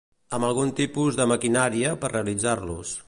Amb algun tipus de maquinària per realitzar-los.